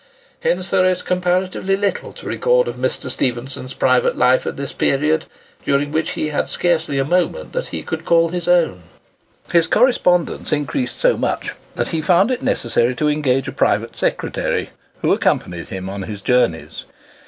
Hence there is comparatively little to record of Mr. Stephenson's private life at this period; during which he had scarcely a moment that he could call his own. His correspondence increased so much, that he found it necessary to engage a private secretary, who accompanied him on his journeys.